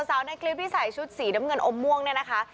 ในคลิปที่ใส่ชุดสีน้ำเงินอมม่วงเนี่ยนะคะ